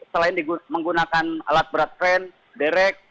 selain menggunakan alat berat kren derek